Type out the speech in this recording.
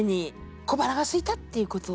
小腹がすいたっていうこと？